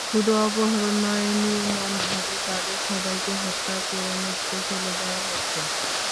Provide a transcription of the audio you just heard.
শুধু অপহরণ নয়, নির্মমভাবে তাঁদের সবাইকে হত্যা করে নদীতে ফেলে দেওয়া হয়েছে।